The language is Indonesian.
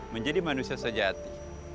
menjadi manusia sejati